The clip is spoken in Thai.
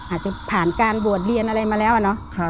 อาจจะผ่านการบวชเรียนอะไรมาแล้วอะเนาะ